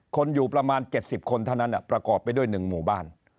คนอยู่ประมาณ๗๐คนเท่านั้นประกอบไปด้วย๑หมู่บ้าน